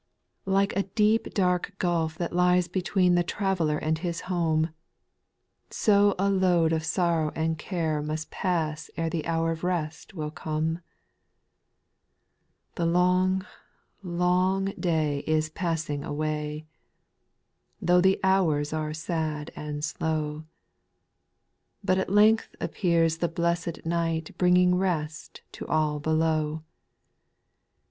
169 2. Like a deep dark gulf that lies between The traveller and his home, So a load of sorrow and care must pass Ere the hour of rest will come. 3. The long, long day is passing away, Though the hours are sad and slow ; But at length appears the blessed night Bringing rest to all below ;— 4.